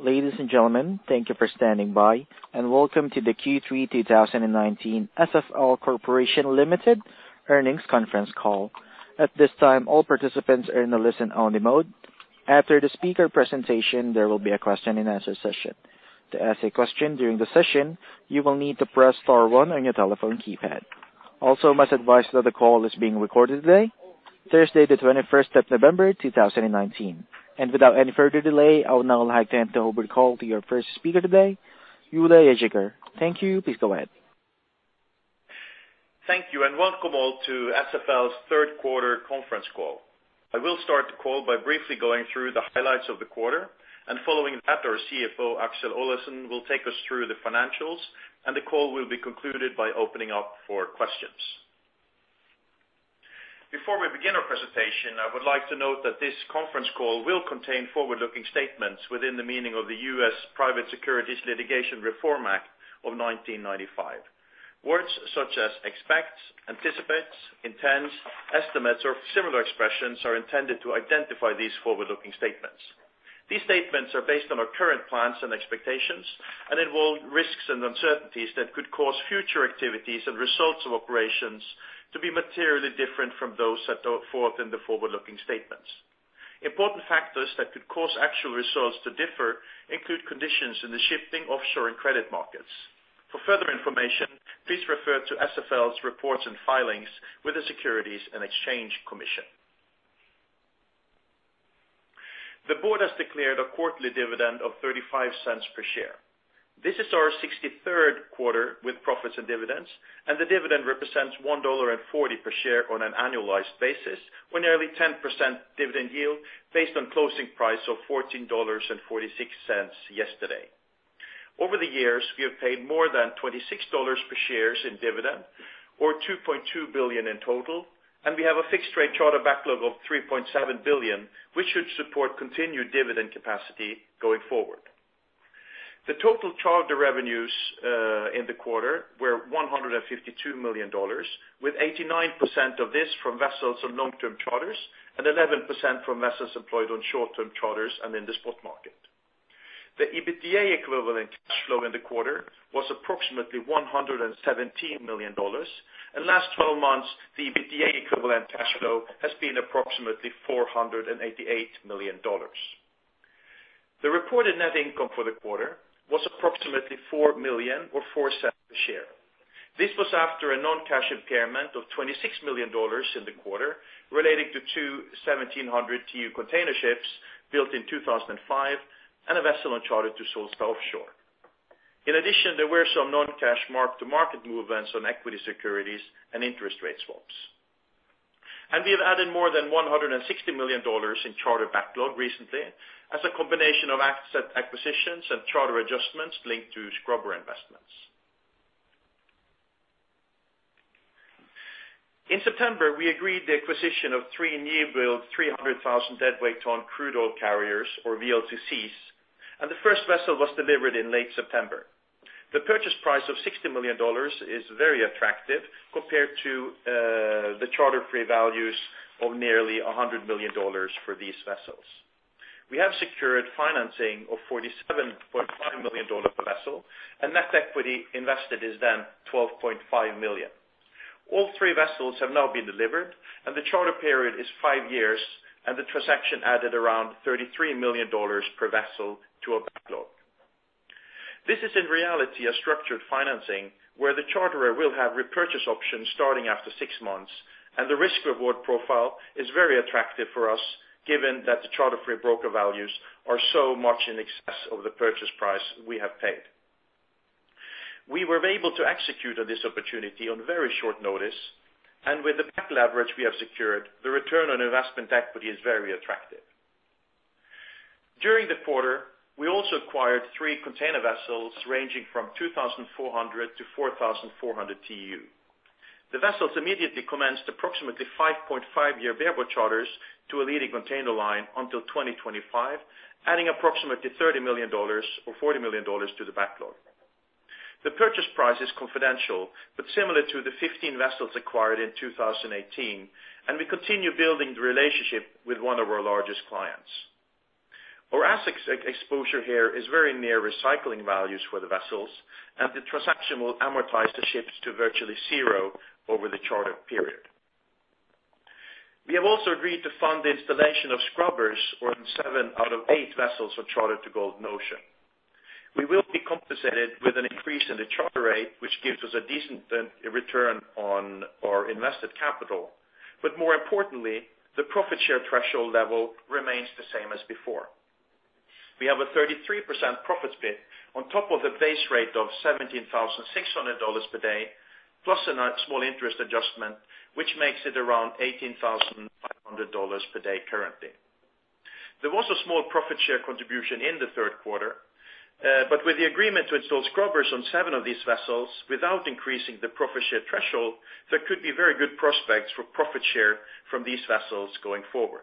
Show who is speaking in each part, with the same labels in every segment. Speaker 1: Ladies and gentlemen, thank you for standing by, and welcome to the Q3 2019 SFL Corporation Ltd. earnings conference call. At this time, all participants are in a listen-only mode. After the speaker presentation, there will be a question-and-answer session. To ask a question during the session, you will need to press star one on your telephone keypad. Also, I must advise that the call is being recorded today, Thursday, the 21st of November, 2019. Without any further delay, I would now like to hand over the call to your first speaker today, Ole Hjertaker. Thank you. Please go ahead.
Speaker 2: Thank you, and welcome all to SFL's third quarter conference call. I will start the call by briefly going through the highlights of the quarter, and following that, our CFO, Aksel Olesen, will take us through the financials, and the call will be concluded by opening up for questions. Before we begin our presentation, I would like to note that this conference call will contain forward-looking statements within the meaning of the U.S. Private Securities Litigation Reform Act of 1995. Words such as expect, anticipate, intend, estimates, or similar expressions are intended to identify these forward-looking statements. These statements are based on our current plans and expectations and involve risks and uncertainties that could cause future activities and results of operations to be materially different from those set forth in the forward-looking statements. Important factors that could cause actual results to differ include conditions in the shipping, offshore, and credit markets. For further information, please refer to SFL's reports and filings with the Securities and Exchange Commission. The board has declared a quarterly dividend of $0.35 per share. This is our 63rd quarter with profits and dividends, and the dividend represents $1.40 per share on an annualized basis, or nearly 10% dividend yield based on closing price of $14.46 yesterday. Over the years, we have paid more than $26 per share in dividend or $2.2 billion in total, and we have a fixed-rate charter backlog of $3.7 billion, which should support continued dividend capacity going forward. The total charter revenues in the quarter were $152 million, with 89% of this from vessels on long-term charters and 11% from vessels employed on short-term charters and in the spot market. The EBITDA equivalent cash flow in the quarter was approximately $117 million. In last 12 months, the EBITDA equivalent cash flow has been approximately $488 million. The reported net income for the quarter was approximately $4 million or $0.04 a share. This was after a non-cash impairment of $26 million in the quarter relating to two 1,700 TEU container ships built in 2005 and a vessel on charter to Solstad Offshore. In addition, there were some non-cash mark-to-market movements on equity securities and interest rate swaps. We have added more than $160 million in charter backlog recently as a combination of asset acquisitions and charter adjustments linked to scrubber investments. In September, we agreed the acquisition of three newbuild 300,000 deadweight ton crude oil carriers, or VLCCs, and the first vessel was delivered in late September. The purchase price of $60 million is very attractive compared to the charter free values of nearly $100 million for these vessels. We have secured financing of $47.5 million per vessel, and net equity invested is then $12.5 million. All three vessels have now been delivered, and the charter period is five years, and the transaction added around $33 million per vessel to our backlog. This is in reality a structured financing where the charterer will have repurchase options starting after six months, and the risk/reward profile is very attractive for us given that the charter free broker values are so much in excess of the purchase price we have paid. We were able to execute on this opportunity on very short notice, and with the back leverage we have secured, the return on investment equity is very attractive. During the quarter, we also acquired three container vessels ranging from 2,400 to 4,400 TEU. The vessels immediately commenced approximately 5.5 year bareboat charters to a leading container line until 2025, adding approximately $30 million or $40 million to the backlog. Similar to the 15 vessels acquired in 2018, and we continue building the relationship with one of our largest clients. Our asset exposure here is very near recycling values for the vessels, and the transaction will amortize the ships to virtually zero over the charter period. We have also agreed to fund the installation of scrubbers on seven out of eight vessels for charter to Golden Ocean. We will be compensated with an increase in the charter rate, which gives us a decent return on our invested capital, but more importantly, the profit share threshold level remains the same as before. We have a 33% profit split on top of the base rate of $17,600 per day, plus a small interest adjustment, which makes it around $18,500 per day currently. There was a small profit share contribution in the third quarter. With the agreement to install scrubbers on seven of these vessels without increasing the profit share threshold, there could be very good prospects for profit share from these vessels going forward.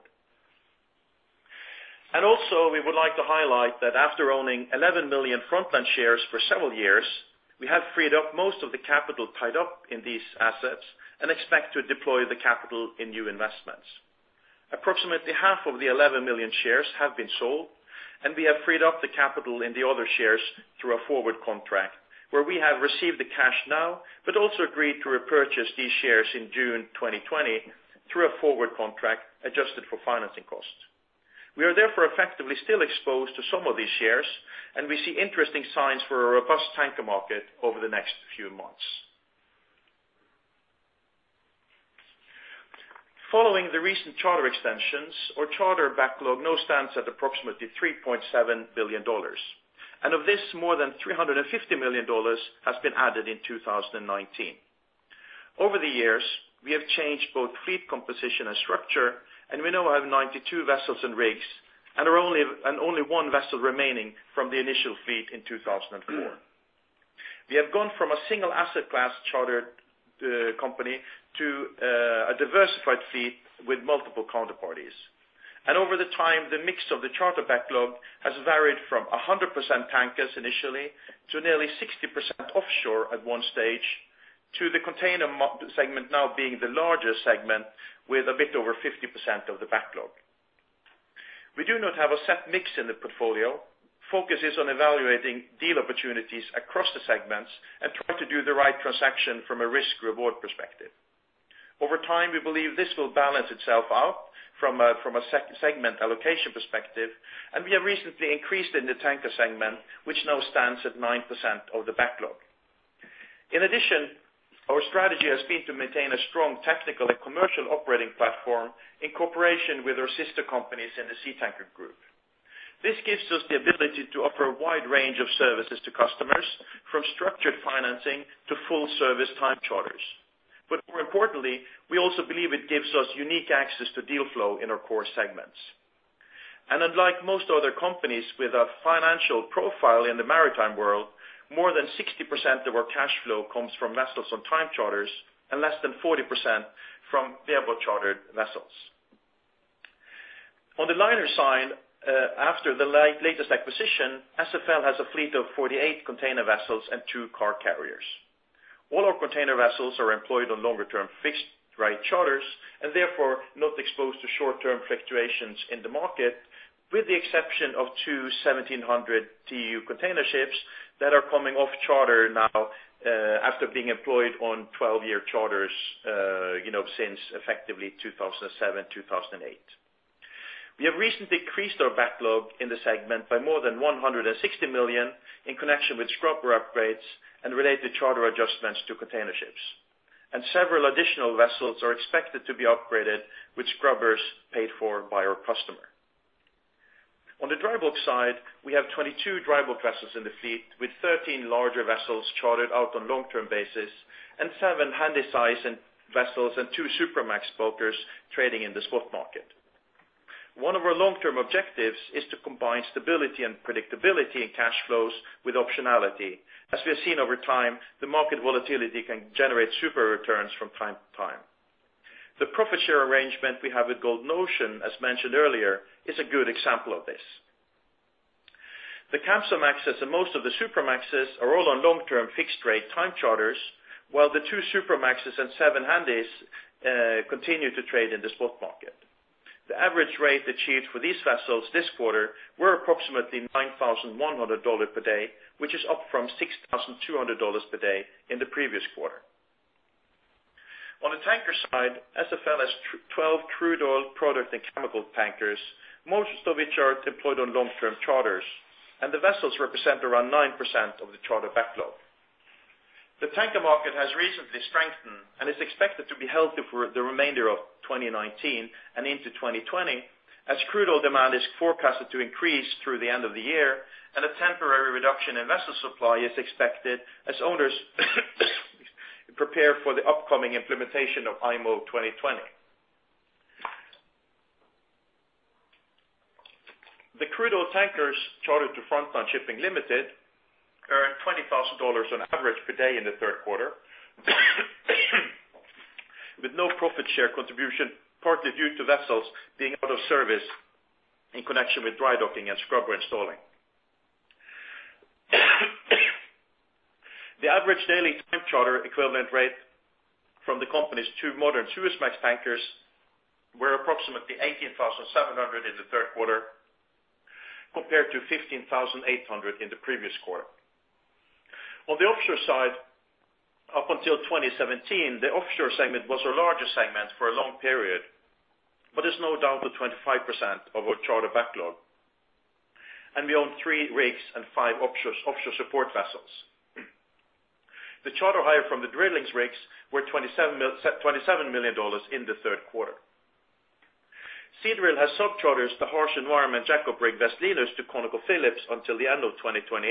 Speaker 2: Also, we would like to highlight that after owning 11 million Frontline shares for several years, we have freed up most of the capital tied up in these assets and expect to deploy the capital in new investments. Approximately half of the 11 million shares have been sold, and we have freed up the capital in the other shares through a forward contract where we have received the cash now, but also agreed to repurchase these shares in June 2020 through a forward contract adjusted for financing costs. We are therefore effectively still exposed to some of these shares, and we see interesting signs for a robust tanker market over the next few months. Following the recent charter extensions, our charter backlog now stands at approximately $3.7 billion. Of this, more than $350 million has been added in 2019. Over the years, we have changed both fleet composition and structure, and we now have 92 vessels and rigs, and only one vessel remaining from the initial fleet in 2004. We have gone from a single asset class charter company to a diversified fleet with multiple counterparties. Over the time, the mix of the charter backlog has varied from 100% tankers initially, to nearly 60% offshore at 1 stage, to the container segment now being the largest segment with a bit over 50% of the backlog. We do not have a set mix in the portfolio. Focus is on evaluating deal opportunities across the segments and trying to do the right transaction from a risk/reward perspective. Over time, we believe this will balance itself out from a segment allocation perspective, and we have recently increased in the tanker segment, which now stands at 9% of the backlog. In addition, our strategy has been to maintain a strong technical and commercial operating platform in cooperation with our sister companies in the Seatankers Group. This gives us the ability to offer a wide range of services to customers, from structured financing to full service time charters. More importantly, we also believe it gives us unique access to deal flow in our core segments. Unlike most other companies with a financial profile in the maritime world, more than 60% of our cash flow comes from vessels on time charters and less than 40% from bareboat chartered vessels. On the liner side, after the latest acquisition, SFL has a fleet of 48 container vessels and two car carriers. All our container vessels are employed on longer-term fixed-rate charters, and therefore not exposed to short-term fluctuations in the market, with the exception of two 1,700 TEU container ships that are coming off charter now, after being employed on 12-year charters, since effectively 2007, 2008. We have recently increased our backlog in the segment by more than $160 million in connection with scrubber upgrades and related charter adjustments to container ships. Several additional vessels are expected to be upgraded with scrubbers paid for by our customer. On the dry bulk side, we have 22 dry bulk vessels in the fleet, with 13 larger vessels chartered out on long-term basis and seven Handysize vessels and two Supramax bulkers trading in the spot market. One of our long-term objectives is to combine stability and predictability in cash flows with optionality. As we have seen over time, the market volatility can generate super returns from time to time. The profit share arrangement we have with Golden Ocean, as mentioned earlier, is a good example of this. The Kamsarmaxes and most of the Supramaxes are all on long-term, fixed rate time charters, while the two Supramaxes and seven Handys continue to trade in the spot market. The average rate achieved for these vessels this quarter were approximately $9,100 per day, which is up from $6,200 per day in the previous quarter. On the tanker side, SFL has 12 crude oil product and chemical tankers, most of which are deployed on long-term charters, and the vessels represent around 9% of the charter backlog. The tanker market has recently strengthened and is expected to be healthy for the remainder of 2019 and into 2020, as crude oil demand is forecasted to increase through the end of the year, and a temporary reduction in vessel supply is expected as owners prepare for the upcoming implementation of IMO 2020. The crude oil tankers chartered to Frontline Shipping Limited earn $20,000 on average per day in the third quarter with no profit share contribution, partly due to vessels being out of service in connection with dry docking and scrubber installing. The average daily time charter equivalent rate from the company's two modern Suezmax tankers were approximately $18,700 in the third quarter, compared to $15,800 in the previous quarter. On the offshore side, up until 2017, the offshore segment was our largest segment for a long period. It's now down to 25% of our charter backlog. We own three rigs and five offshore support vessels. The charter hire from the drilling rigs were $27 million in the third quarter. Seadrill has subchartered the harsh environment jackup rig, West Linus, to ConocoPhillips until the end of 2028.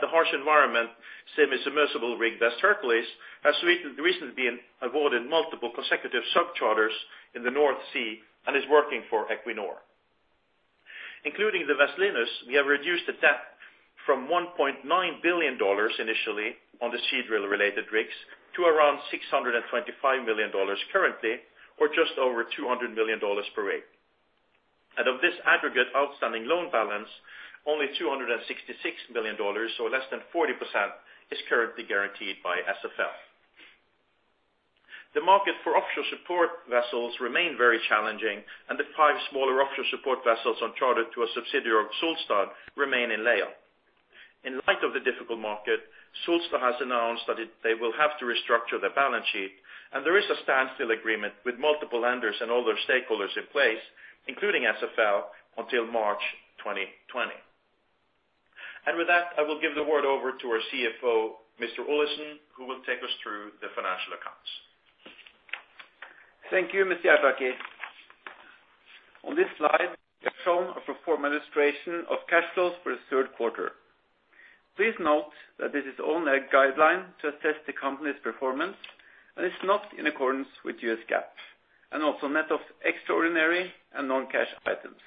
Speaker 2: The harsh environment semi-submersible rig, West Hercules, has recently been awarded multiple consecutive subcharters in the North Sea and is working for Equinor. Including the West Linus, we have reduced the debt from $1.9 billion initially on the Seadrill-related rigs to around $625 million currently, or just over $200 million per rig. Of this aggregate outstanding loan balance, only $266 million, so less than 40%, is currently guaranteed by SFL. The market for offshore support vessels remain very challenging, and the five smaller offshore support vessels on charter to a subsidiary of Solstad remain in layup. In light of the difficult market, Solstad has announced that they will have to restructure their balance sheet, and there is a standstill agreement with multiple lenders and other stakeholders in place, including SFL, until March 2020. With that, I will give the word over to our CFO, Mr. Olesen, who will take us through the financial accounts.
Speaker 3: Thank you, Mr. Hjertaker. On this slide, we have shown a pro forma illustration of cash flows for the third quarter. Please note that this is only a guideline to assess the company's performance and is not in accordance with US GAAP, and also net of extraordinary and non-cash items.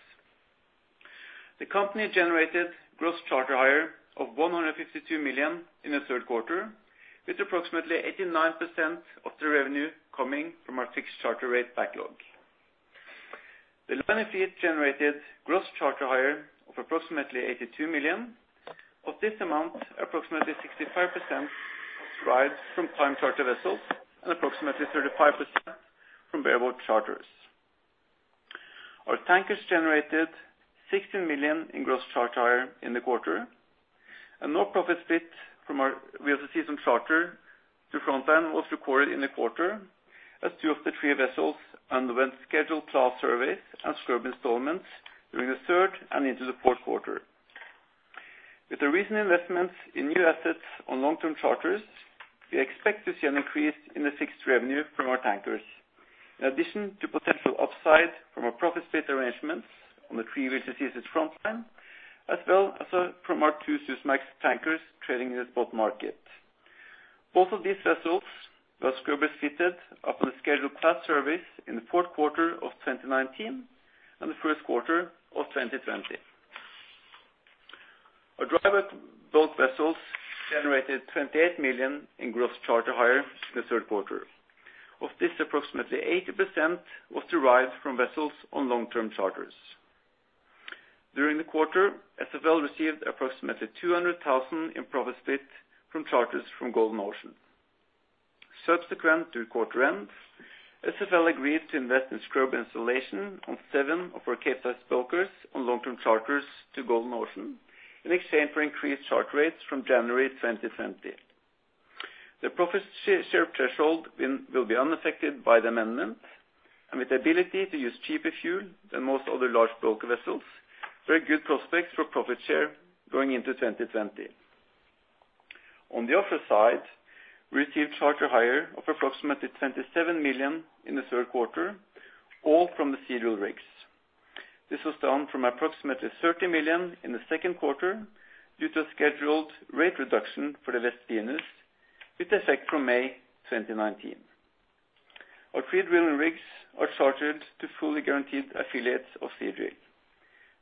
Speaker 3: The company generated gross charter hire of $152 million in the third quarter, with approximately 89% of the revenue coming from our fixed charter rate backlog. The liner fleet generated gross charter hire of approximately $82 million. Of this amount, approximately 65% derives from time charter vessels and approximately 35% from bareboat charters. Our tankers generated $16 million in gross charter hire in the quarter. No profit split from our time charter to Frontline was recorded in the quarter, as two of the three vessels underwent scheduled class surveys and scrubber installments during the third and into the fourth quarter. With the recent investments in new assets on long-term charters, we expect to see an increase in the fixed revenue from our tankers. In addition to potential upside from our profit split arrangements on the three which are with Frontline, as well as from our two Supramax tankers trading in the spot market. Both of these vessels will have scrubbers fitted upon scheduled class surveys in the fourth quarter of 2019 and the first quarter of 2020. Our dry bulk vessels generated $28 million in gross charter hire in the third quarter. Of this, approximately 80% was derived from vessels on long-term charters. During the quarter, SFL received approximately $200,000 in profit split from charters from Golden Ocean. Subsequent to quarter end, SFL agreed to invest in scrubber installation on seven of our Capesize bulkers on long-term charters to Golden Ocean in exchange for increased charter rates from January 2020. With the ability to use cheaper fuel than most other large bulker vessels, very good prospects for profit share going into 2020. On the offshore side, we received charter hire of approximately $27 million in the third quarter, all from the Seadrill rigs. This was down from approximately $30 million in the second quarter due to a scheduled rate reduction for the West Linus with effect from May 2019. Our three drilling rigs are chartered to fully guaranteed affiliates of Seadrill.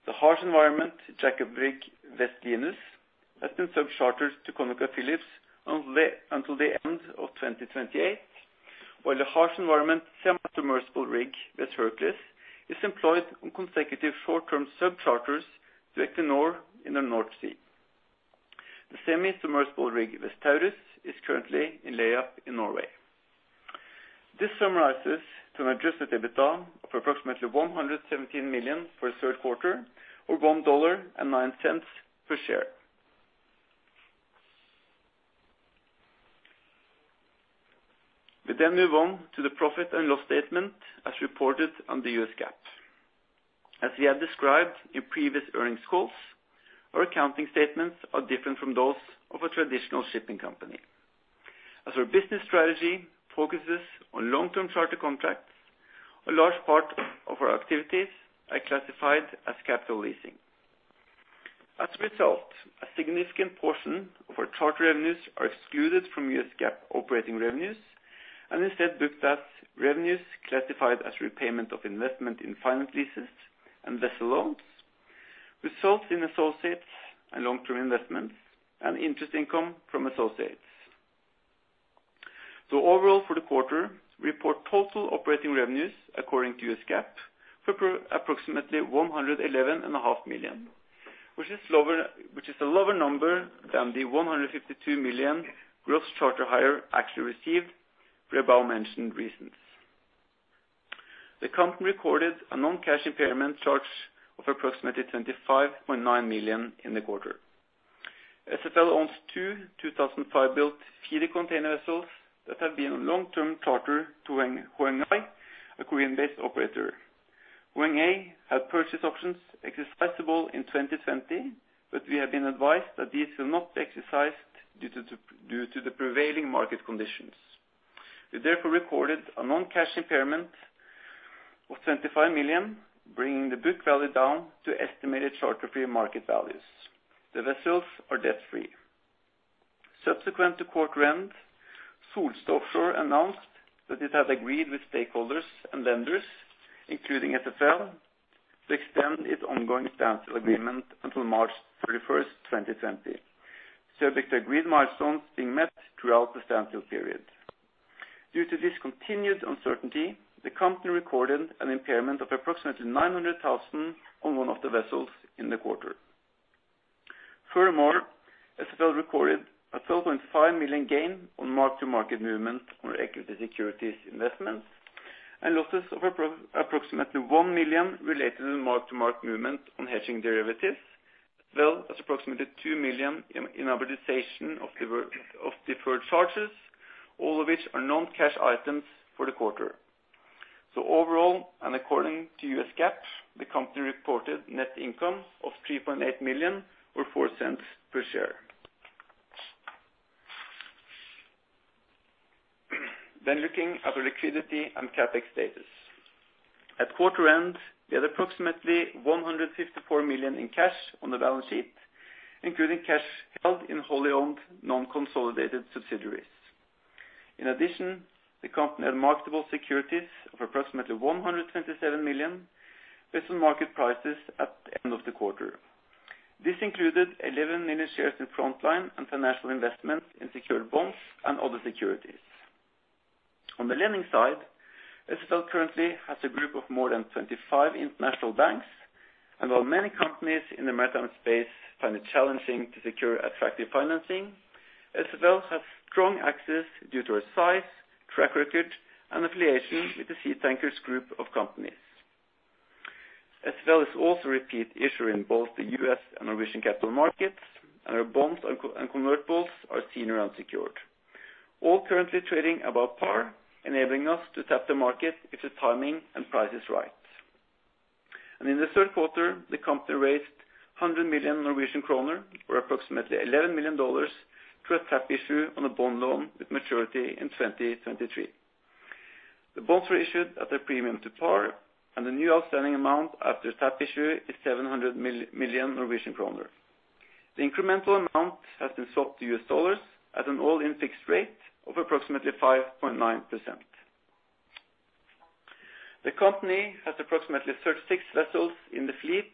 Speaker 3: The harsh environment jack-up rig West Linus has been subchartered to ConocoPhillips until the end of 2028, while the harsh environment semi-submersible rig West Hercules is employed on consecutive short-term subcharters to Equinor in the North Sea. The semi-submersible rig West Taurus is currently in layup in Norway. This summarizes to an adjusted EBITDA of approximately $117 million for the third quarter, or $1.09 per share. We then move on to the profit and loss statement as reported under US GAAP. As we have described in previous earnings calls, our accounting statements are different from those of a traditional shipping company. As our business strategy focuses on long-term charter contracts, a large part of our activities are classified as capital leasing. As a result, a significant portion of our charter revenues are excluded from US GAAP operating revenues and instead booked as revenues classified as repayment of investment in finance leases and vessel loans, results in associates and long-term investments, and interest income from associates. Overall for the quarter, we report total operating revenues according to US GAAP for approximately $111.5 million, which is a lower number than the $152 million gross charter hire actually received for the above-mentioned reasons. The company recorded a non-cash impairment charge of approximately $25.9 million in the quarter. SFL owns two 2005-built feeder container vessels that have been on long-term charter to Hwang Hae, a Korean-based operator. Hwang Hae had purchase options exercisable in 2020, but we have been advised that these will not be exercised due to the prevailing market conditions. We therefore recorded a non-cash impairment of $25 million, bringing the book value down to estimated charter free market values. The vessels are debt-free. Subsequent to quarter end, Solstad Offshore announced that it has agreed with stakeholders and lenders, including SFL, to extend its ongoing standstill agreement until March 31st, 2020, subject to agreed milestones being met throughout the standstill period. Due to this continued uncertainty, the company recorded an impairment of approximately $900,000 on one of the vessels in the quarter. Furthermore, SFL recorded a $12.5 million gain on mark-to-market movement on equity securities investments and losses of approximately $1 million related to the mark-to-market movement on hedging derivatives, as well as approximately $2 million in amortization of deferred charges, all of which are non-cash items for the quarter. Overall, and according to US GAAP, the company reported net income of $3.8 million, or $0.04 per share. Looking at the liquidity and CapEx status. At quarter end, we had approximately $154 million in cash on the balance sheet, including cash held in wholly owned non-consolidated subsidiaries. In addition, the company had marketable securities of approximately $127 million based on market prices at the end of the quarter. This included 11 million shares in Frontline and financial investments in secured bonds and other securities. On the lending side, SFL currently has a group of more than 25 international banks, and while many companies in the maritime space find it challenging to secure attractive financing, SFL has strong access due to our size, track record, and affiliation with the Seatankers group of companies. SFL is also a repeat issuer in both the U.S. and Norwegian capital markets, and our bonds and convertibles are senior unsecured. All currently trading above par, enabling us to tap the market if the timing and price is right. In the third quarter, the company raised 100 million Norwegian kroner, or approximately $11 million, through a tap issue on a bond loan with maturity in 2023. The bonds were issued at a premium to par, and the new outstanding amount after tap issue is 700 million Norwegian kroner. The incremental amount has been swapped to US dollars at an all-in fixed rate of approximately 5.9%. The company has approximately 36 vessels in the fleet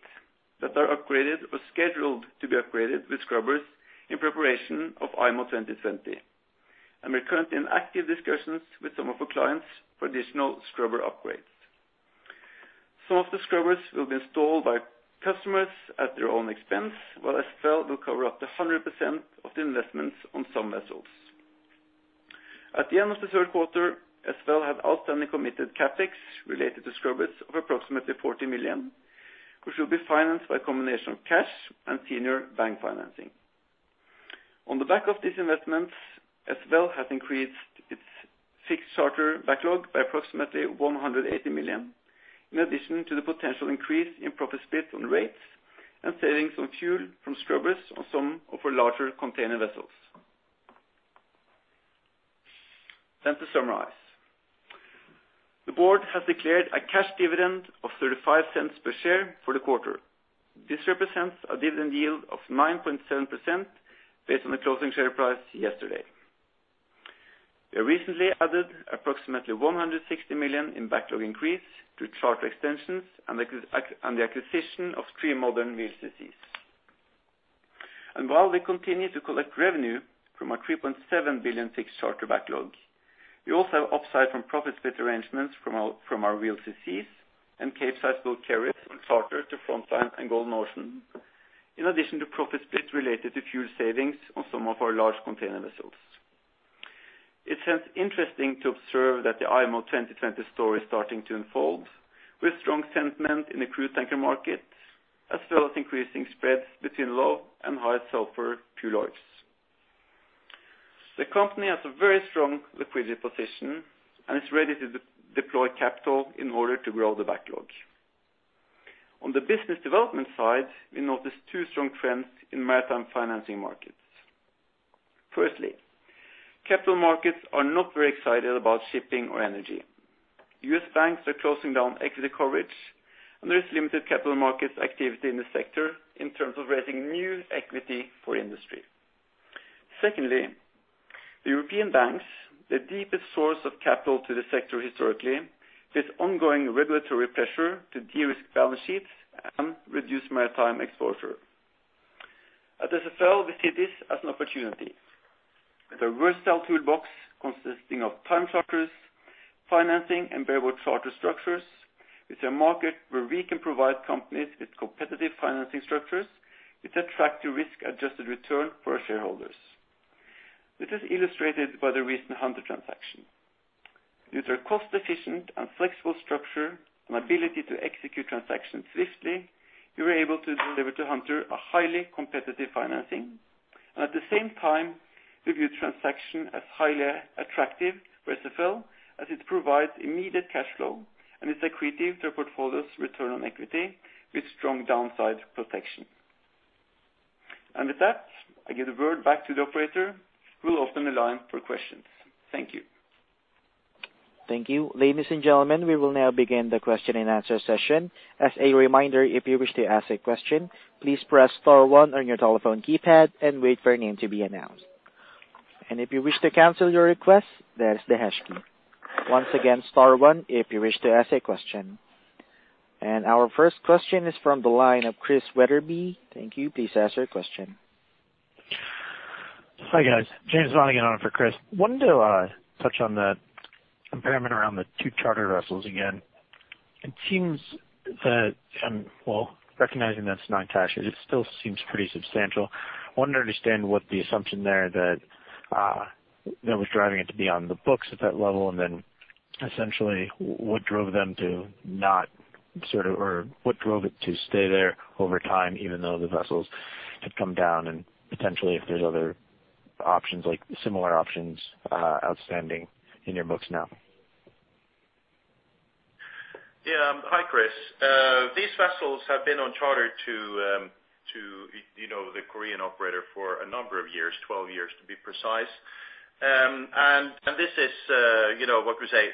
Speaker 3: that are upgraded or scheduled to be upgraded with scrubbers in preparation of IMO 2020, and we are currently in active discussions with some of our clients for additional scrubber upgrades. Some of the scrubbers will be installed by customers at their own expense, while SFL will cover up to 100% of the investments on some vessels. At the end of the third quarter, SFL had outstanding committed CapEx related to scrubbers of approximately $40 million, which will be financed by a combination of cash and senior bank financing. On the back of these investments, SFL has increased its fixed charter backlog by approximately $180 million, in addition to the potential increase in profit split on rates and savings on fuel from scrubbers on some of our larger container vessels. To summarize, the board has declared a cash dividend of $0.35 per share for the quarter. This represents a dividend yield of 9.7% based on the closing share price yesterday. We have recently added approximately $160 million in backlog increase through charter extensions and the acquisition of three modern VLCCs. While we continue to collect revenue from our $3.7 billion fixed charter backlog, we also have upside from profit split arrangements from our VLCCs and Capesize bulk carriers on charter to Frontline and Golden Ocean, in addition to profit split related to fuel savings on some of our large container vessels. It's hence interesting to observe that the IMO 2020 story is starting to unfold with strong sentiment in the crude tanker market, as well as increasing spreads between low and high sulfur fuel oils. The company has a very strong liquidity position and is ready to deploy capital in order to grow the backlog. On the business development side, we notice two strong trends in maritime financing markets. Firstly, capital markets are not very excited about shipping or energy. U.S. banks are closing down equity coverage. There is limited capital markets activity in this sector in terms of raising new equity for industry. Secondly, the European banks, the deepest source of capital to the sector historically, face ongoing regulatory pressure to de-risk balance sheets and reduce maritime exposure. At SFL, we see this as an opportunity. With a versatile toolbox consisting of time charters, financing, and bareboat charter structures, it's a market where we can provide companies with competitive financing structures with attractive risk-adjusted return for our shareholders. This is illustrated by the recent Hunter transaction. Due to our cost-efficient and flexible structure and ability to execute transactions swiftly, we were able to deliver to Hunter a highly competitive financing. At the same time, we view the transaction as highly attractive for SFL as it provides immediate cash flow and is accretive to our portfolio's return on equity with strong downside protection. With that, I give the word back to the operator, who will open the line for questions. Thank you.
Speaker 1: Thank you. Ladies and gentlemen, we will now begin the question and answer session. As a reminder, if you wish to ask a question, please press star one on your telephone keypad and wait for your name to be announced. If you wish to cancel your request, that is the hash key. Once again, star one if you wish to ask a question. Our first question is from the line of Christian Wetherbee. Thank you. Please ask your question.
Speaker 4: Hi guys. James Von on for Chris. I wanted to touch on the impairment around the two charter vessels again. It seems that, well, recognizing that it's non-cash, it still seems pretty substantial. I wanted to understand what the assumption there that was driving it to be on the books at that level, and then essentially, what drove it to stay there over time, even though the vessels have come down, and potentially if there's other options, like similar options, outstanding in your books now.
Speaker 2: Hi, James. These vessels have been on charter to the Korean operator for a number of years, 12 years to be precise. This is what we say,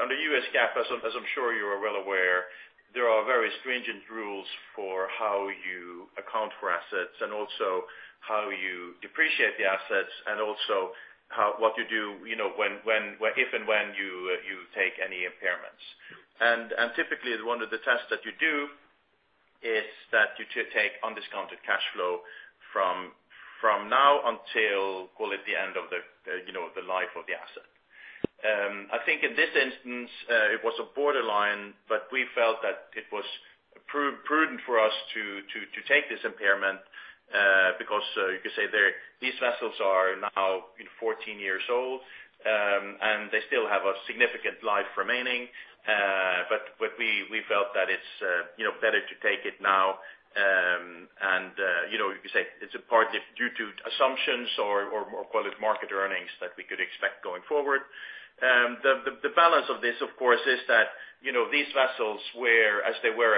Speaker 2: under US GAAP, as I'm sure you are well aware, there are very stringent rules for how you account for assets and also how you depreciate the assets, and also what you do if and when you take any impairments. Typically, one of the tests that you do is that you take undiscounted cash flow from now until, call it the end of the life of the asset. I think in this instance, it was a borderline, but we felt that it was prudent for us to take this impairment, because you could say these vessels are now 14 years old, and they still have a significant life remaining. We felt that it's better to take it now, and you could say it's partly due to assumptions or call it market earnings that we could expect going forward. The balance of this, of course, is that these vessels where as they were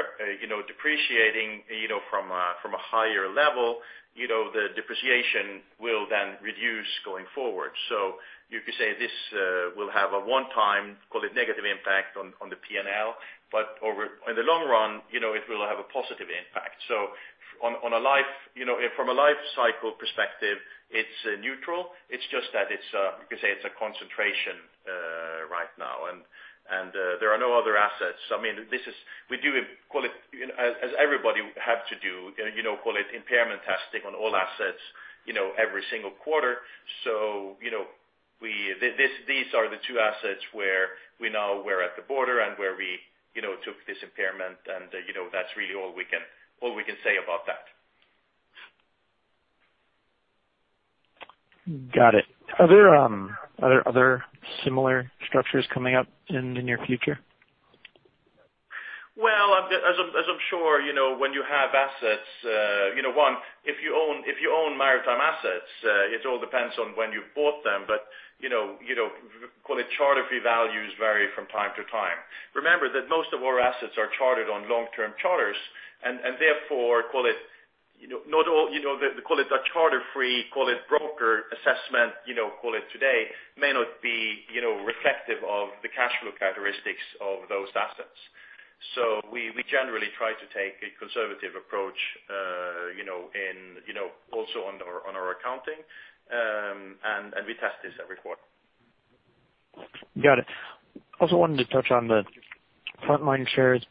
Speaker 2: depreciating from a higher level, the depreciation will then reduce going forward. You could say this will have a one-time, call it negative impact on the P&L, but in the long run, it will have a positive impact. From a life cycle perspective, it's neutral. It's just that it's, you could say, it's a concentration right now, and there are no other assets. We do call it, as everybody have to do, call it impairment testing on all assets every single quarter. These are the two assets where we're at the border and where we took this impairment and that's really all we can say about that.
Speaker 4: Got it. Are there other similar structures coming up in the near future?
Speaker 2: Well, as I'm sure, when you have assets, if you own maritime assets, it all depends on when you bought them. Call it charter free values vary from time to time. Remember that most of our assets are chartered on long-term charters, and therefore, call it a charter free, call it broker assessment, call it today, may not be reflective of the cash flow characteristics of those assets. We generally try to take a conservative approach also on our accounting, and we test this every quarter.
Speaker 4: Got it. Also wanted to touch on the Frontline shares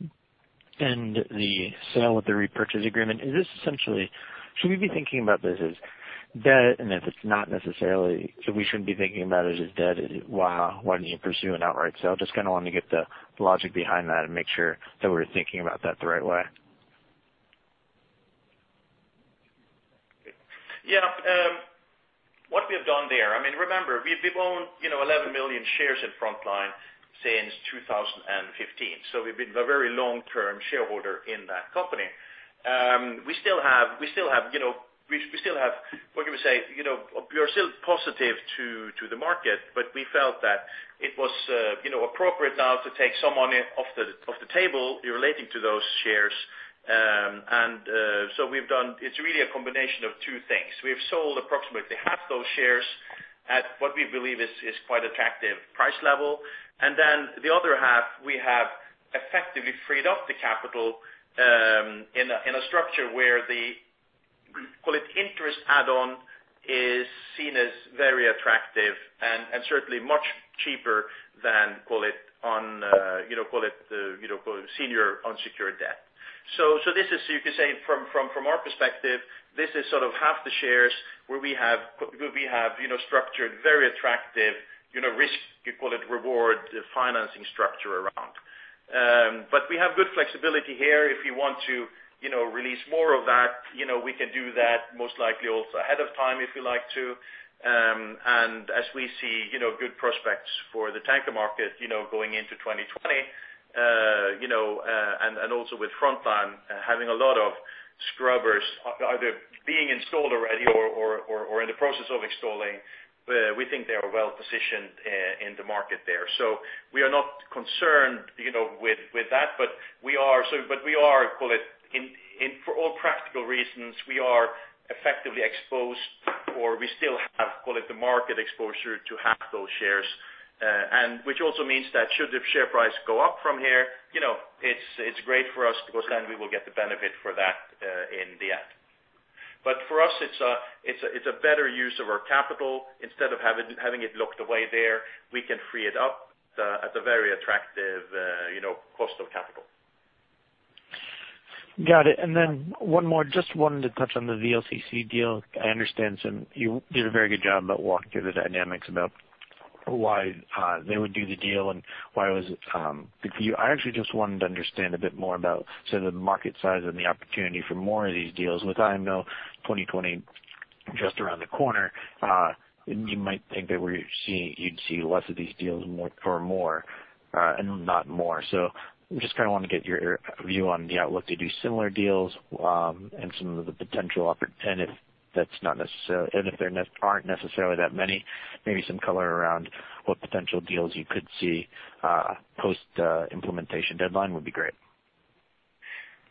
Speaker 4: and the sale with the repurchase agreement. Should we be thinking about this as debt, and if it's not necessarily, we shouldn't be thinking about it as debt, why didn't you pursue an outright sale? Just kind of wanted to get the logic behind that and make sure that we're thinking about that the right way.
Speaker 2: What we've done there, remember, we've owned 11 million shares in Frontline since 2015. We've been a very long-term shareholder in that company. We still have, what can we say? We are still positive to the market, but we felt that it was appropriate now to take some money off the table relating to those shares. It's really a combination of two things. We've sold approximately half those shares at what we believe is quite attractive price level. The other half, we have effectively freed up the capital in a structure where the, call it, interest add-on is seen as very attractive and certainly much cheaper than, call it senior unsecured debt. You could say from our perspective, this is sort of half the shares where we have structured very attractive risk, call it reward financing structure around. We have good flexibility here. If we want to release more of that, we can do that most likely also ahead of time if we like to. As we see good prospects for the tanker market going into 2020, and also with Frontline having a lot of scrubbers either being installed already or in the process of installing, we think they are well-positioned in the market there. We are not concerned with that, but we are, call it, for all practical reasons, we are effectively exposed or we still have, call it the market exposure to half those shares. Which also means that should the share price go up from here, it's great for us because then we will get the benefit for that in the end. For us, it's a better use of our capital. Instead of having it locked away there, we can free it up at a very attractive cost of capital.
Speaker 4: Got it. One more, just wanted to touch on the VLCC deal. I understand you did a very good job about walking through the dynamics about why they would do the deal and why it was. I actually just wanted to understand a bit more about the market size and the opportunity for more of these deals. With IMO 2020 just around the corner, you might think that you'd see less of these deals for more and not more. Just want to get your view on the outlook to do similar deals, and if there aren't necessarily that many, maybe some color around what potential deals you could see post implementation deadline would be great.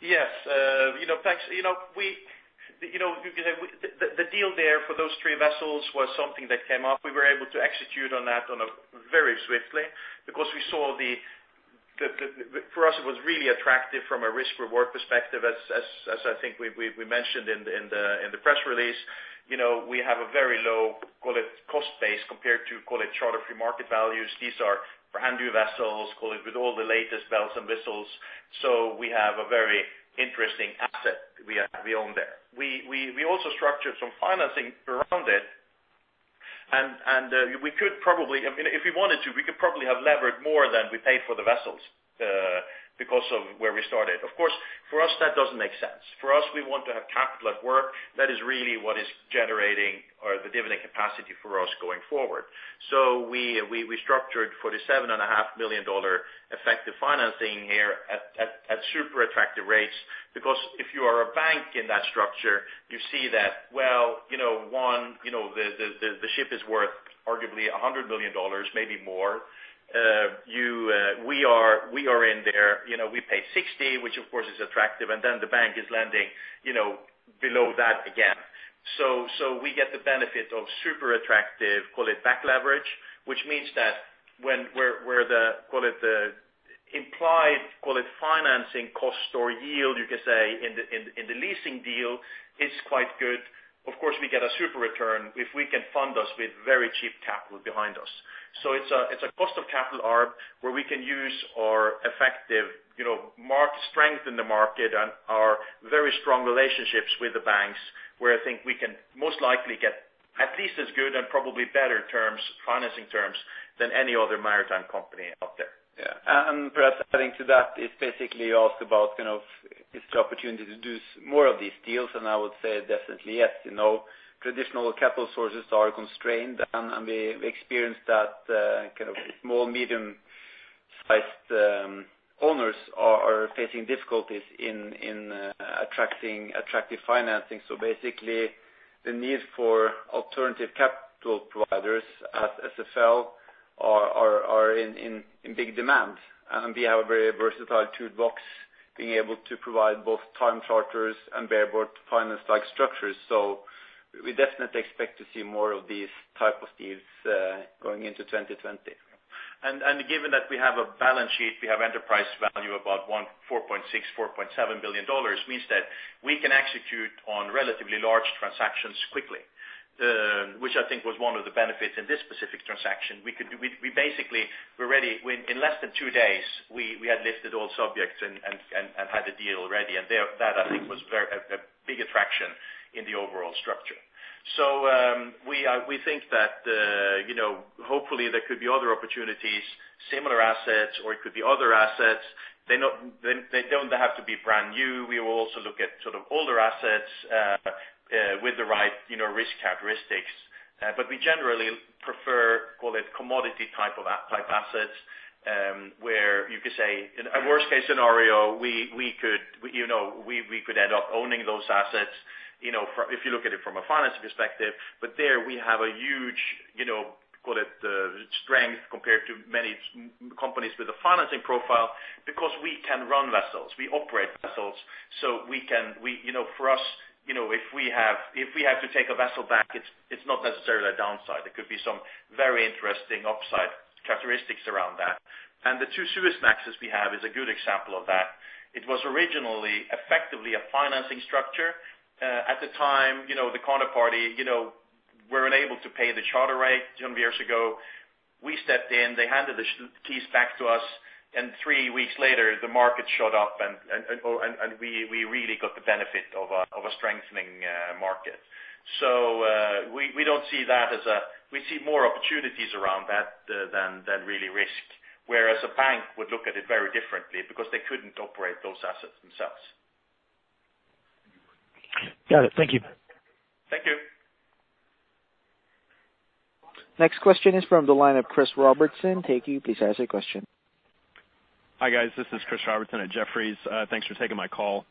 Speaker 2: Thanks. The deal there for those three vessels was something that came up. We were able to execute on that very swiftly because for us, it was really attractive from a risk/reward perspective, as I think we mentioned in the press release. We have a very low, call it, cost base compared to, call it, charter free market values. These are brand-new vessels, call it, with all the latest bells and whistles. We have a very interesting asset we own there. We also structured some financing around it, and if we wanted to, we could probably have levered more than we paid for the vessels, because of where we started. Of course, for us, that doesn't make sense. For us, we want to have capital at work. That is really what is generating or the dividend capacity for us going forward. We structured for the $7.5 million effective financing here at super attractive rates because if you are a bank in that structure, you see that, one, the ship is worth arguably $100 million, maybe more. We are in there. We pay $60, which of course is attractive, and then the bank is lending below that again. We get the benefit of super attractive, call it back leverage, which means that where the, call it, the implied financing cost or yield, you could say, in the leasing deal is quite good. Of course, we get a super return if we can fund us with very cheap capital behind us. It's a cost of capital arb where we can use our effective strength in the market and our very strong relationships with the banks where I think we can most likely get at least as good and probably better financing terms than any other maritime company out there.
Speaker 3: Yeah. Perhaps adding to that is basically you asked about if the opportunity to do more of these deals, and I would say definitely yes. Traditional capital sources are constrained, and we experience that small, medium-sized owners are facing difficulties in attracting attractive financing. Basically, the need for alternative capital providers at SFL are in big demand. We have a very versatile toolbox, being able to provide both time charters and bareboat finance-like structures. We definitely expect to see more of these type of deals going into 2020.
Speaker 2: Given that we have a balance sheet, we have enterprise value about $4.6, $4.7 billion means that we can execute on relatively large transactions quickly, which I think was one of the benefits in this specific transaction. We basically were ready in less than two days, we had listed all subjects and had the deal ready, and that I think was a big attraction in the overall structure. We think that hopefully there could be other opportunities, similar assets, or it could be other assets. They don't have to be brand new. We will also look at sort of older assets with the right risk characteristics. We generally prefer, call it commodity type assets, where you could say in a worst case scenario, we could end up owning those assets if you look at it from a financing perspective. There we have a huge, call it strength compared to many companies with a financing profile because we can run vessels, we operate vessels, so for us, if we have to take a vessel back, it's not necessarily a downside. There could be some very interesting upside characteristics around that. The two Suezmaxes we have is a good example of that. It was originally effectively a financing structure. At the time, the counterparty were unable to pay the charter rate some years ago. We stepped in, they handed the keys back to us, and three weeks later, the market shot up and we really got the benefit of a strengthening market. We see more opportunities around that than really risk, whereas a bank would look at it very differently because they couldn't operate those assets themselves.
Speaker 4: Got it. Thank you.
Speaker 2: Thank you.
Speaker 1: Next question is from the line of Chris Robertson. Thank you. Please ask your question.
Speaker 5: Hi, guys. This is Chris Robertson at Jefferies. Thanks for taking my call.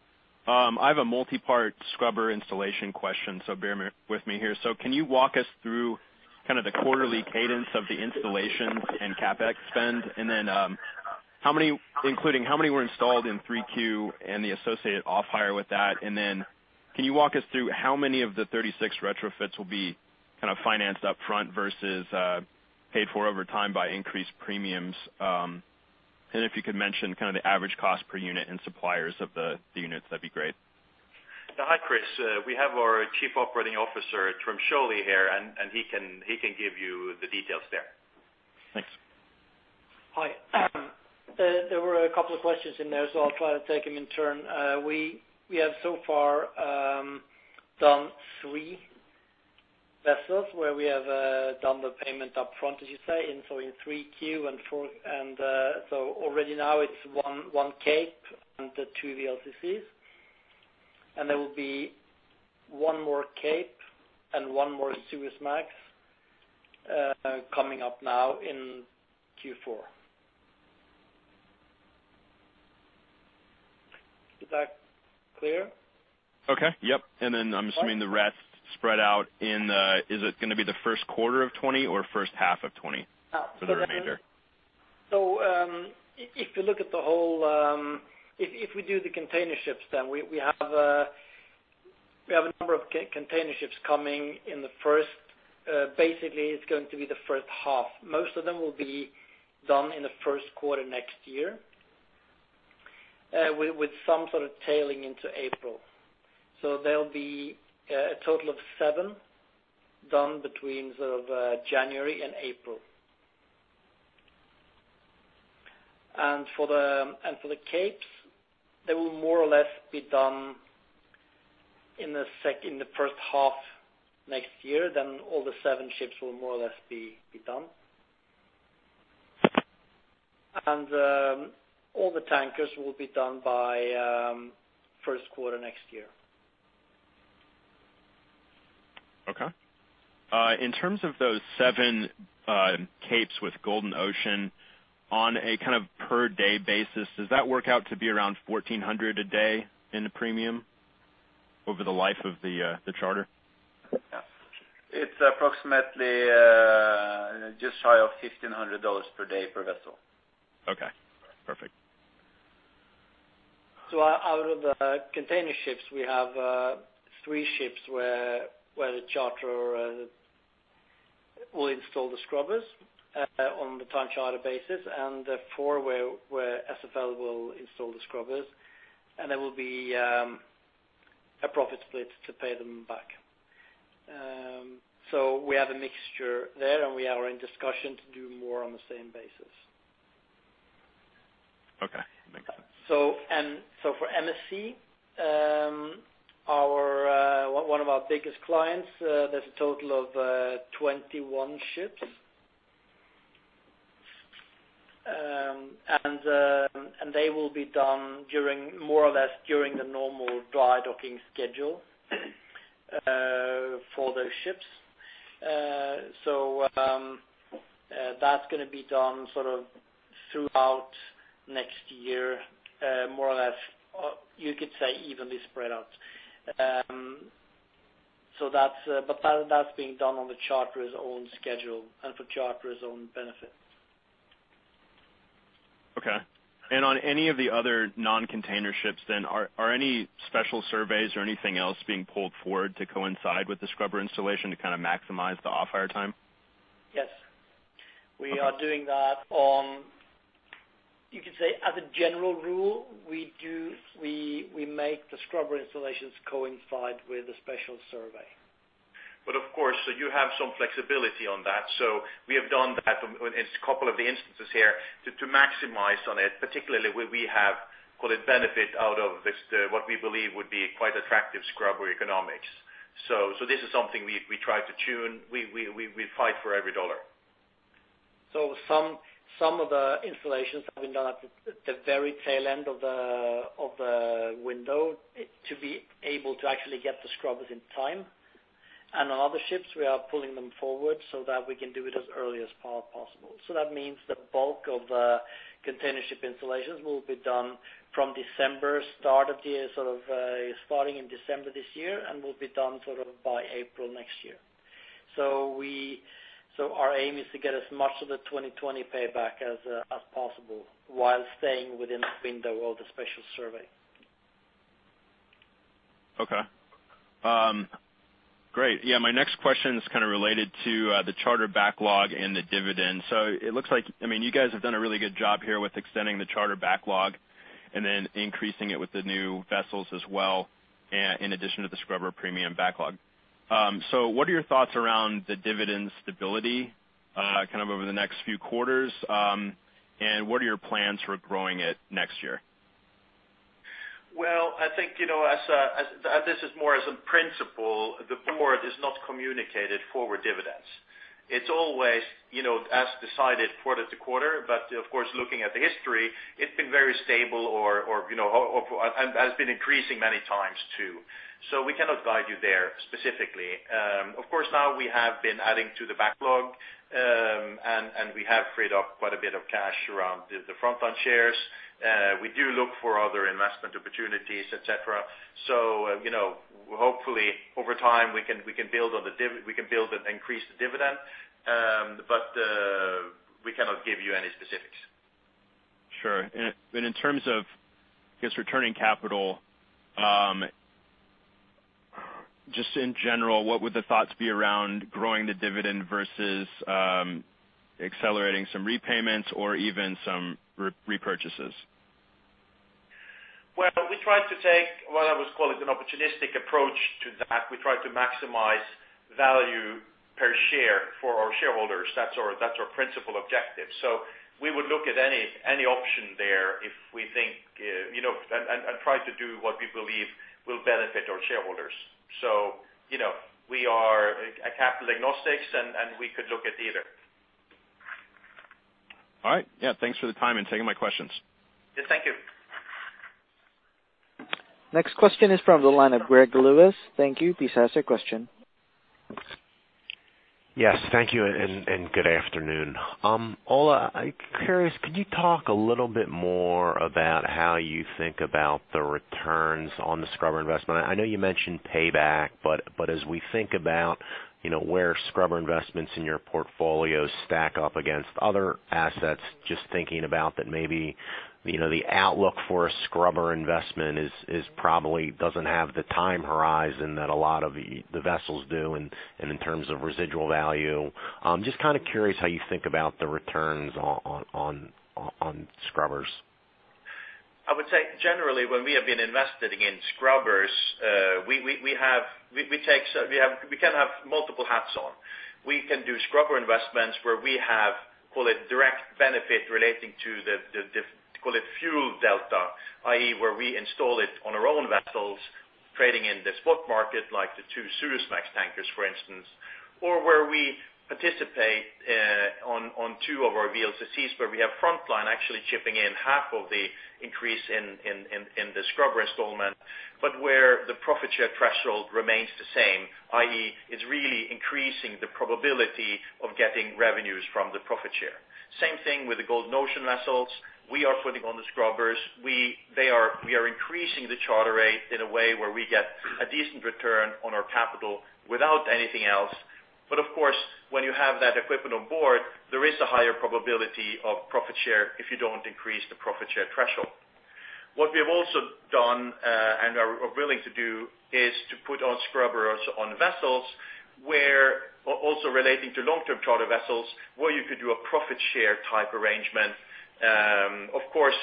Speaker 5: I have a multi-part scrubber installation question, so bear with me here. Can you walk us through kind of the quarterly cadence of the installations and CapEx spend? Including how many were installed in 3Q and the associated off-hire with that. Can you walk us through how many of the 36 retrofits will be kind of financed up front versus paid for over time by increased premiums? If you could mention kind of the average cost per unit and suppliers of the units, that'd be great.
Speaker 2: Hi, Chris. We have our Chief Operating Officer, Trym Sjølie here. He can give you the details there.
Speaker 5: Thanks.
Speaker 6: Hi. There were a couple of questions in there, so I'll try to take them in turn. We have so far done three vessels where we have done the payment up front, as you say. In 3Q and 4Q already now it's one Cape and the two VLCCs. There will be one more Cape and one more Suezmax coming up now in Q4. Is that clear?
Speaker 5: Okay. Yep. I'm assuming the rest spread out in, is it going to be the first quarter of 2020, or first half of 2020 for the remainder?
Speaker 6: If we do the containerships, then we have a number of containerships coming in the first half. Most of them will be done in the first quarter next year, with some sort of tailing into April. That'll be a total of seven done between January and April. For the Capes, they will more or less be done in the first half next year, then all the seven ships will more or less be done. All the tankers will be done by first quarter next year.
Speaker 5: Okay. In terms of those seven Capes with Golden Ocean, on a per day basis, does that work out to be around $1,400 a day in the premium over the life of the charter?
Speaker 6: Yeah. It's approximately just shy of $1,500 per day per vessel.
Speaker 5: Okay. Perfect.
Speaker 6: Out of the containerships, we have three ships where the charterer will install the scrubbers on the time charter basis, and four where SFL will install the scrubbers. There will be a profit split to pay them back. We have a mixture there, and we are in discussion to do more on the same basis.
Speaker 5: Okay. Makes sense.
Speaker 6: For MSC, one of our biggest clients, there's a total of 21 ships. They will be done more or less during the normal dry docking schedule for those ships. That's going to be done throughout next year, more or less, you could say evenly spread out. That's being done on the charterer's own schedule and for charterer's own benefit.
Speaker 5: Okay. On any of the other non-containerships, are any special surveys or anything else being pulled forward to coincide with the scrubber installation to maximize the off-hire time?
Speaker 6: Yes. We are doing that on, you could say as a general rule, we make the scrubber installations coincide with the special survey.
Speaker 2: Of course, you have some flexibility on that. We have done that in a couple of instances here to maximize on it, particularly where we have, call it benefit out of what we believe would be quite attractive scrubber economics. This is something we try to tune. We fight for every dollar.
Speaker 6: Some of the installations have been done at the very tail end of the window to be able to actually get the scrubbers in time. On other ships, we are pulling them forward so that we can do it as early as possible. That means the bulk of the containership installations will be done from December, starting in December this year and will be done by April next year. Our aim is to get as much of the 2020 payback as possible while staying within that window of the special survey.
Speaker 5: Okay. Great. Yeah, my next question is kind of related to the charter backlog and the dividend. It looks like you guys have done a really good job here with extending the charter backlog and then increasing it with the new vessels as well, in addition to the scrubber premium backlog. What are your thoughts around the dividend stability over the next few quarters, and what are your plans for growing it next year?
Speaker 2: Well, I think this is more as a principle, the board has not communicated forward dividends. It's always as decided quarter to quarter, of course, looking at the history, it's been very stable and has been increasing many times, too. We cannot guide you there specifically. Of course, now we have been adding to the backlog, and we have freed up quite a bit of cash around the Frontline shares. We do look for other investment opportunities, et cetera. Hopefully over time, we can build an increased dividend. We cannot give you any specifics.
Speaker 5: Sure. Just in general, what would the thoughts be around growing the dividend versus accelerating some repayments or even some repurchases?
Speaker 2: Well, we tried to take what I would call an opportunistic approach to that. We try to maximize value per share for our shareholders. That's our principal objective. We would look at any option there and try to do what we believe will benefit our shareholders. We are a capital agnostic, and we could look at either.
Speaker 5: All right. Yeah, thanks for the time and taking my questions.
Speaker 2: Yes, thank you.
Speaker 1: Next question is from the line of Greg Lewis. Thank you. Please ask your question.
Speaker 7: Yes. Thank you and good afternoon. Ole, curious, could you talk a little bit more about how you think about the returns on the scrubber investment? I know you mentioned payback, but as we think about where scrubber investments in your portfolio stack up against other assets, just thinking about that maybe the outlook for a scrubber investment probably doesn't have the time horizon that a lot of the vessels do and in terms of residual value. Just kind of curious how you think about the returns on scrubbers.
Speaker 2: I would say generally, when we have been invested in scrubbers, we can have multiple hats on. We can do scrubber investments where we have, call it direct benefit relating to the, call it fuel delta, i.e., where we install it on our own vessels trading in the spot market like the two Suezmax tankers, for instance. Where we participate on two of our VLCCs where we have Frontline actually chipping in half of the increase in the scrubber installment, but where the profit share threshold remains the same, i.e., it's really increasing the probability of getting revenues from the profit share. Same thing with the Golden Ocean vessels. We are putting on the scrubbers. We are increasing the charter rate in a way where we get a decent return on our capital without anything else. Of course, when you have that equipment on board, there is a higher probability of profit share if you don't increase the profit share threshold. What we have also done, and are willing to do is to put on scrubbers on vessels where, also relating to long-term charter vessels, where you could do a profit share type arrangement. Of course,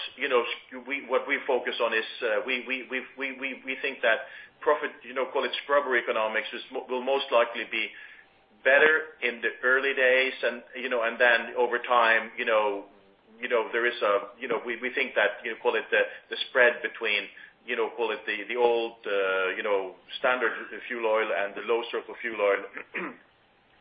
Speaker 2: what we focus on is we think that profit, call it scrubber economics, will most likely be better in the early days and then over time, we think that, call it the spread between, call it the old standard fuel oil and the low sulfur fuel oil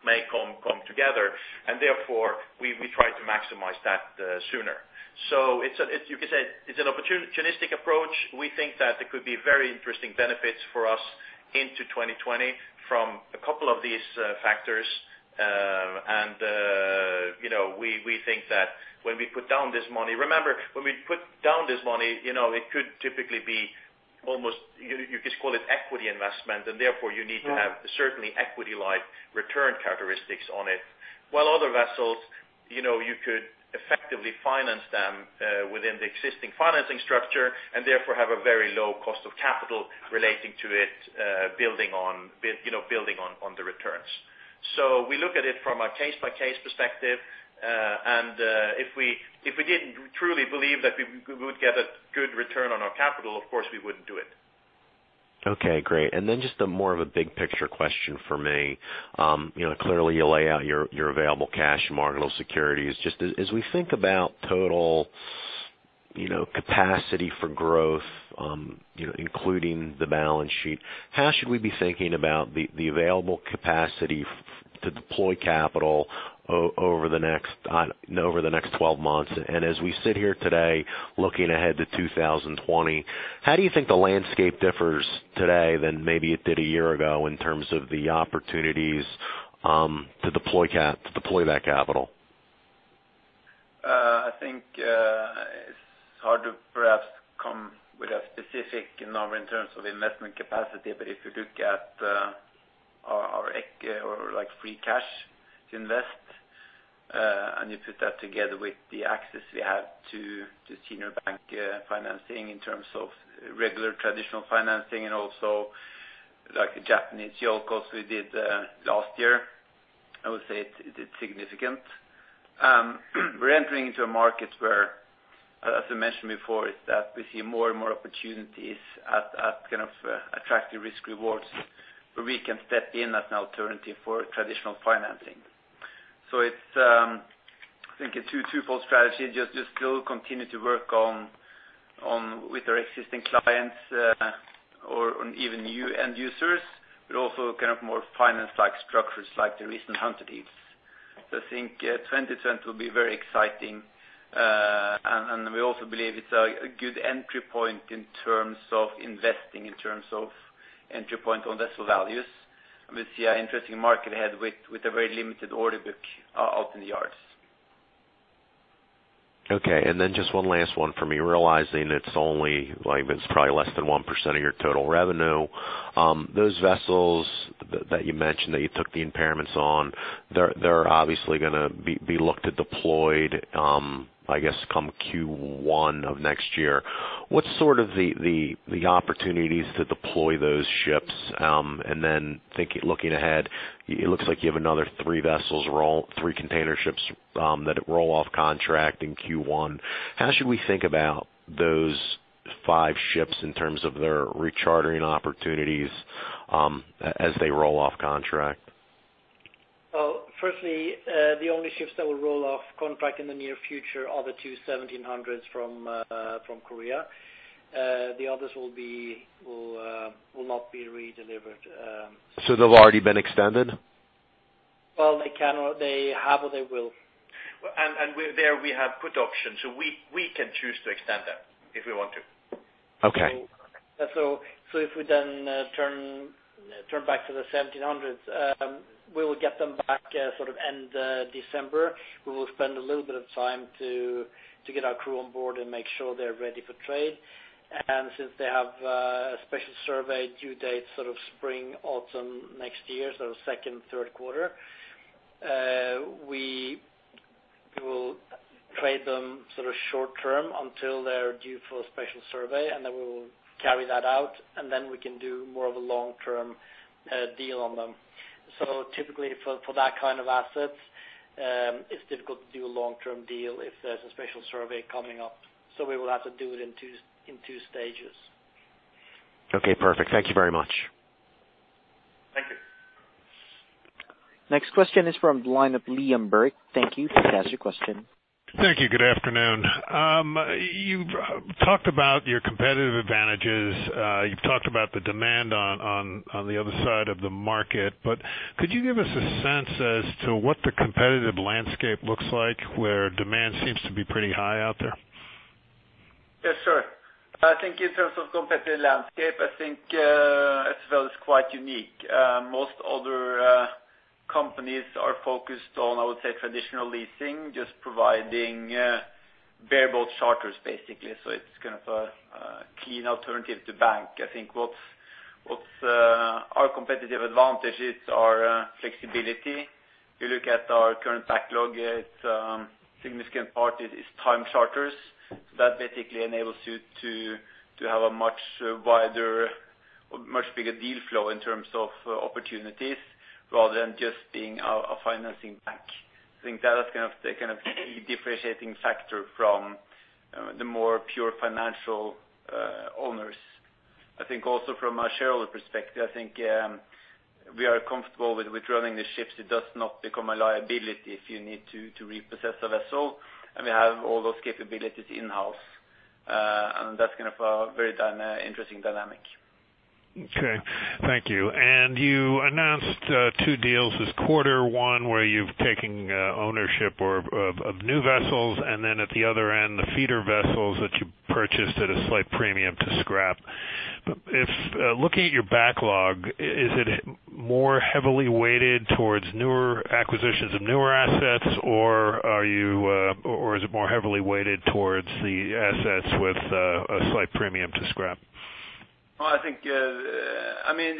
Speaker 2: may come together, and therefore we try to maximize that sooner. You could say it's an opportunistic approach. We think that it could be very interesting benefits for us into 2020 from a couple of these factors. We think that when we put down this money, it could typically be almost, you just call it equity investment, and therefore you need to have certainly equity-like return characteristics on it. While other vessels, you could effectively finance them within the existing financing structure and therefore have a very low cost of capital relating to it building on the returns. We look at it from a case-by-case perspective. If we didn't truly believe that we would get a good return on our capital, of course, we wouldn't do it.
Speaker 7: Okay, great. Then just more of a big picture question for me. Clearly you lay out your available cash, marketable securities. Just as we think about total capacity for growth including the balance sheet, how should we be thinking about the available capacity to deploy capital over the next 12 months? As we sit here today looking ahead to 2020, how do you think the landscape differs today than maybe it did a year ago in terms of the opportunities to deploy that capital?
Speaker 3: I think it's hard to perhaps come with a specific number in terms of investment capacity. If you look at our, like, free cash to invest, and you put that together with the access we have to senior bank financing in terms of regular traditional financing and also like the Japanese JOLCOs we did last year, I would say it is significant. We are entering into a market where, as I mentioned before, is that we see more and more opportunities at kind of attractive risk rewards where we can step in as an alternative for traditional financing. It's, I think a twofold strategy, just still continue to work with our existing clients or even new end users, but also kind of more finance like structures like the recent Hunter deals. I think 2020 will be very exciting. We also believe it's a good entry point in terms of investing, in terms of entry point on vessel values. We see an interesting market ahead with a very limited order book out in the yards.
Speaker 7: Okay, just one last one for me, realizing it's probably less than 1% of your total revenue. Those vessels that you mentioned that you took the impairments on, they're obviously going to be looked at deployed, I guess come Q1 of next year. What's the opportunities to deploy those ships? Looking ahead, it looks like you have another three container ships that roll off contract in Q1. How should we think about those five ships in terms of their rechartering opportunities as they roll off contract?
Speaker 6: Well, firstly, the only ships that will roll off contract in the near future are the two 1,700s from Korea. The others will not be redelivered.
Speaker 7: They've already been extended?
Speaker 6: Well, they have or they will.
Speaker 3: There we have put options, so we can choose to extend that if we want to.
Speaker 7: Okay.
Speaker 6: If we then turn back to the 1700s, we will get them back sort of end December. We will spend a little bit of time to get our crew on board and make sure they're ready for trade. Since they have a special survey due date sort of spring, autumn next year, so second, third quarter, we will trade them sort of short term until they're due for a special survey, and then we will carry that out and then we can do more of a long-term deal on them. Typically for that kind of asset, it's difficult to do a long-term deal if there's a special survey coming up, so we will have to do it in two stages.
Speaker 7: Okay, perfect. Thank you very much.
Speaker 6: Thank you.
Speaker 1: Next question is from the line of Liam Burke. Thank you. Please ask your question.
Speaker 8: Thank you. Good afternoon. You've talked about your competitive advantages. You've talked about the demand on the other side of the market. Could you give us a sense as to what the competitive landscape looks like, where demand seems to be pretty high out there?
Speaker 3: Yes, sure. I think in terms of competitive landscape, I think SFL is quite unique. Most other companies are focused on, I would say, traditional leasing, just providing bareboat charters basically, so it's kind of a clean alternative to bank. I think what's our competitive advantage is our flexibility. If you look at our current backlog, a significant part is time charters. That basically enables you to have a much bigger deal flow in terms of opportunities rather than just being a financing bank. I think that is the kind of key differentiating factor from the more pure financial owners. I think also from a shareholder perspective, I think we are comfortable with running the ships. It does not become a liability if you need to repossess a vessel, and we have all those capabilities in-house. That's kind of a very interesting dynamic.
Speaker 8: Okay. Thank you. You announced two deals this quarter, one where you're taking ownership of new vessels, at the other end, the feeder vessels that you purchased at a slight premium to scrap. Looking at your backlog, is it more heavily weighted towards newer acquisitions of newer assets, or is it more heavily weighted towards the assets with a slight premium to scrap?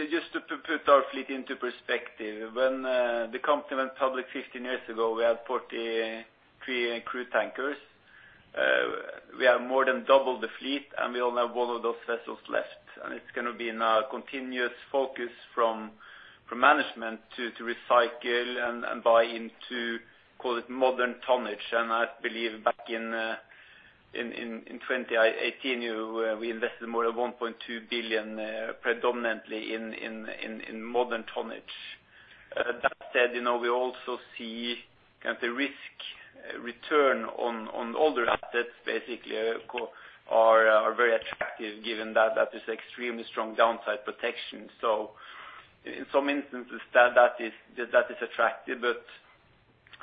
Speaker 3: Just to put our fleet into perspective, when the company went public 15 years ago, we had 43 crude tankers. We have more than doubled the fleet, and we only have one of those vessels left. It's going to be now a continuous focus from management to recycle and buy into, call it modern tonnage. I believe back in 2018, we invested more than $1.2 billion predominantly in modern tonnage. That said, we also see the risk return on older assets basically are very attractive given that there's extremely strong downside protection. In some instances, that is attractive, but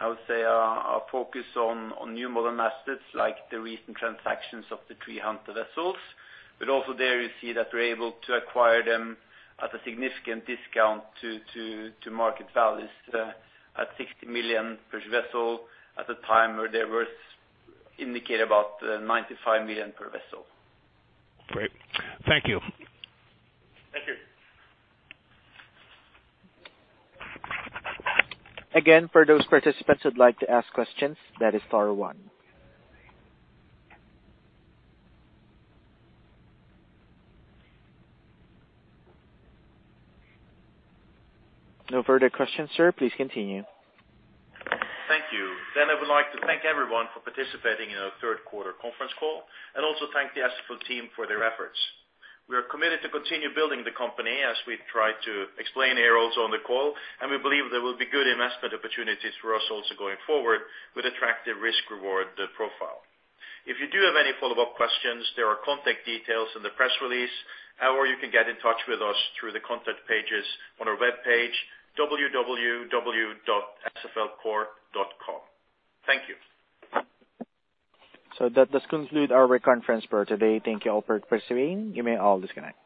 Speaker 3: I would say our focus on new modern assets like the recent transactions of the three Hunter vessels. Also there you see that we're able to acquire them at a significant discount to market values at $60 million per vessel at the time where they were indicated about $95 million per vessel.
Speaker 8: Great. Thank you.
Speaker 6: Thank you.
Speaker 1: Again, for those participants who'd like to ask questions, that is star one. No further questions, sir. Please continue.
Speaker 3: Thank you. I would like to thank everyone for participating in our third quarter conference call and also thank the SFL team for their efforts. We are committed to continue building the company as we try to explain here also on the call, and we believe there will be good investment opportunities for us also going forward with attractive risk reward profile. If you do have any follow-up questions, there are contact details in the press release, or you can get in touch with us through the contact pages on our webpage, www.sflcorp.com. Thank you.
Speaker 1: That does conclude our conference for today. Thank you all for participating. You may all disconnect.